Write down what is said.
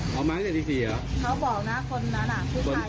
เขามาตั้งแต่ที่สี่หรอเขาบอกน่ะคนนั้นอ่ะคือใคร